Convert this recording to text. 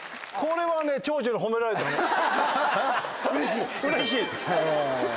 うれしい？